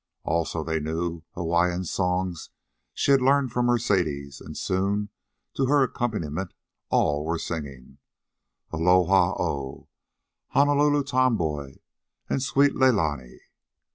Also, they knew Hawaiian songs she had learned from Mercedes, and soon, to her accompaniment, all were singing: "Aloha Oe," "Honolulu Tomboy," and "Sweet Lei Lehua."